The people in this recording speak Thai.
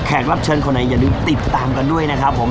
รับเชิญคนไหนอย่าลืมติดตามกันด้วยนะครับผม